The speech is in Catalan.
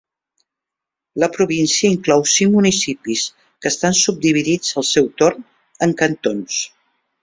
La província inclou cinc municipis, que estan subdividits al seu torn en cantons.